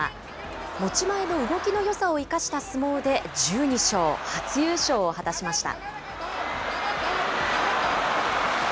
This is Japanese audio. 持ち前の動きのよさを生かした相撲で１２勝、初優勝を果たしました。